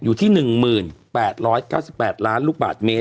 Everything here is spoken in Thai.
อยู่ที่หนึ่งหมื่นแปดร้อยเก้าสิบแปดล้านลูกบาทเมตร